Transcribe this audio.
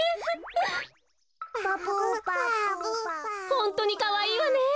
ホントにかわいいわね！